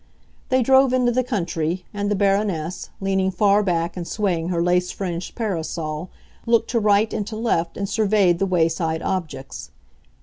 They drove into the country, and the Baroness, leaning far back and swaying her lace fringed parasol, looked to right and to left and surveyed the way side objects.